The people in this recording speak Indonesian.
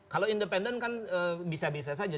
kalau independen kan bisa bisa saja